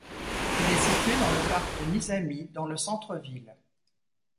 Il est situé dans le parc de Nizami dans le centre-ville.